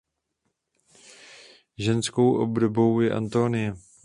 Ženskou obdobou je Antonie.